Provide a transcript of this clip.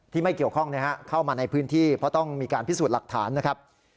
ไม่เกี่ยวข้องเข้ามาในพื้นที่เพราะต้องมีการพิสูจน์หลักฐานนะครับ